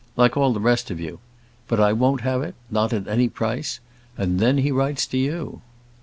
like all the rest of you. But I won't have it; not at any price; and then he writes to you."